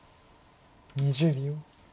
２０秒。